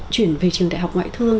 chuyển về trường đại học ngoại thương